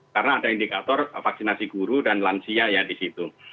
karena ada indikator vaksinasi guru dan lansia ya di situ